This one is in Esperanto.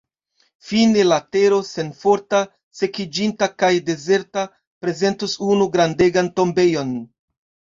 Fine la tero, senforta, sekiĝinta kaj dezerta, prezentos unu grandegan tombejon.